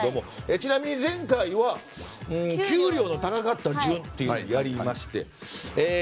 ちなみに前回は給料が高かった順をやりまして。